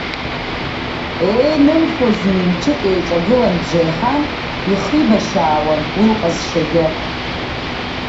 Еинымшәоз ҩ-мчык еиҿагылан, бжеиҳан ихибашьаауан уи лҟазшьаҿы.